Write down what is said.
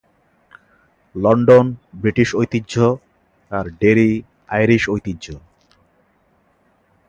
London' British ঐতিহ্য আর 'Derry' Irish ঐতিহ্য।